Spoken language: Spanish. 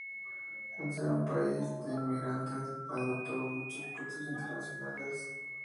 Al ser un país de inmigrantes, ha adoptado muchos platos internacionales.